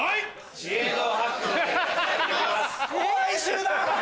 怖い集団！